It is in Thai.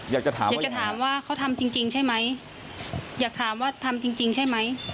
อยากจะถามอยากจะถามว่าเขาทำจริงจริงใช่ไหมอยากถามว่าทำจริงจริงใช่ไหม